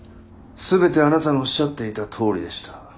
全てあなたのおっしゃっていたとおりでした。